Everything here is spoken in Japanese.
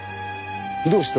どうした？